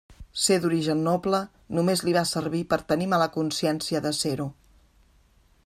Ser d'origen noble només li va servir per tenir mala consciència de ser-ho.